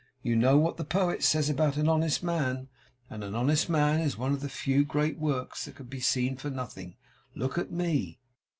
You know what the Poet says about an honest man; and an honest man is one of the few great works that can be seen for nothing! Look at me!